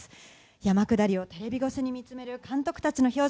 山下りをテレビ越しに見つめる監督たちの表情。